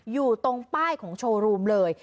อยู่ตรงป้ายของโชว์รูมเลย